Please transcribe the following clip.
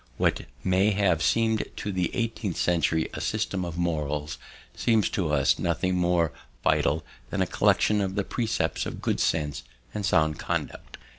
What may have seemed to the eighteenth century a system of morals seems to us nothing more vital than a collection of the precepts of good sense and sound conduct.